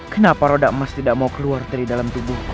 kenapa roda emas tidak mau keluar dari dalam tubuh